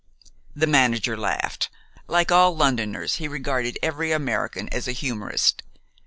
The manager laughed. Like all Londoners, he regarded every American as a humorist.